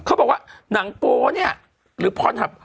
เขาบอกว่าหนังโป๊เนี่ยหรือพรหับ